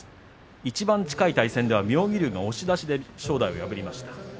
いちばん近い対戦では妙義龍が押し出しで正代を破りました。